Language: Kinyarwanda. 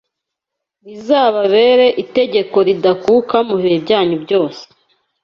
Rizababere itegeko ridakuka mu bihe byanyu byose